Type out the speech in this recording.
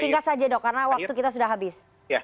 singkat saja dok karena waktu kita sudah habis